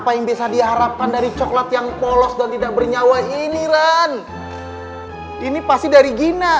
apa yang bisa diharapkan dari coklat yang polos dan tidak bernyawa ini kan ini pasti dari gina